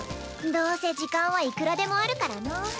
どうせ時間はいくらでもあるからのう。